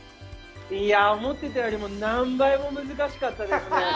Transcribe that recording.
思ってたよりも何倍も難しかったですね。